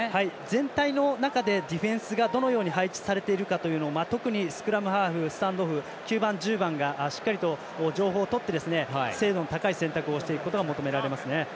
全体の中でディフェンスがどのように配置されているのか特にスクラムハーフスタンドオフ、９番、１０番がしっかり情報とって精度の高い選択をしていくことが求められますね。